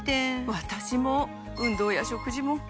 私も！